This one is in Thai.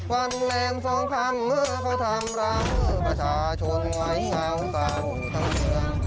วันแรงส่องไปเมื่อเขาทำล้ำประชาชนไหวเหงาเศร้าทั้งคืน